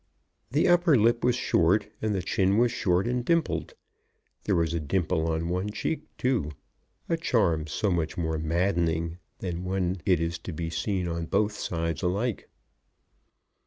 The upper lip was short, and the chin was short and dimpled. There was a dimple on one cheek too, a charm so much more maddening than when it is to be seen on both sides alike.